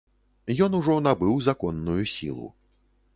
Ён ужо набыў законную сілу.